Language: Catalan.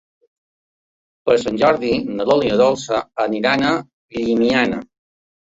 Per Sant Jordi na Lola i na Dolça aniran a Llimiana.